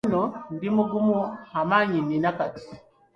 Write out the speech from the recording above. Awo nno ndimugumu amaanyi nina kati.